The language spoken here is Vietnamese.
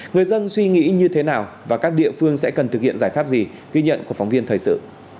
người dân suy nghĩ như thế nào và các địa phương sẽ cần thực hiện giải pháp gì ghi nhận của phóng viên thời sự